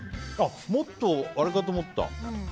もっとあれかと思った。